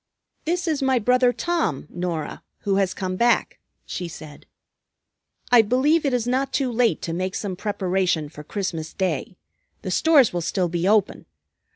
"This is my brother Tom, Norah, who has come back," she said. "I believe it is not too late to make some preparation for Christmas Day. The stores will still be open.